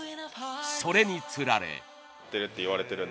それに釣られ。